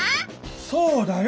そうだよ！